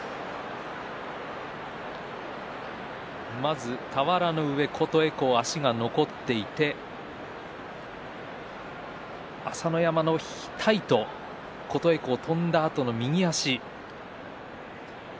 まず俵の上琴恵光足が残っていて朝乃山の額と飛んだあとの琴恵光の右足。